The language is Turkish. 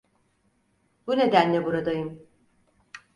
Bu nedenle buradayım.